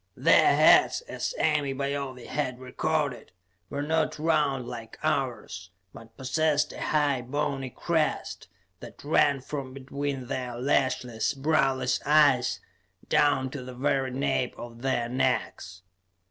Their heads, as Ame Baove had recorded, were not round like ours, but possessed a high bony crest that ran from between their lashless, browless eyes, down to the very nape of their necks.